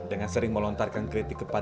dengan sering melontarkan kritik kepada